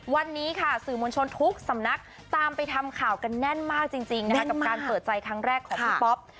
วันนี้ค่ะสื่อมวลชนทุกสำนักตามไปทำข่าวกันแน่นมากจริงนะคะกับการเปิดใจครั้งแรกของพี่ป๊อป